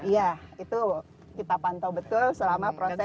iya itu kita pantau betul selama proses